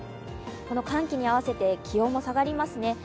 この寒気に合わせて気温も下がりますね。